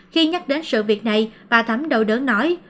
khi nhắc đến sự việc này bà thắm đầu đớn nói